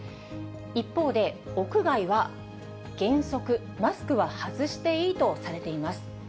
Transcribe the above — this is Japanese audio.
一方で、屋外は原則マスクは外していいとされています。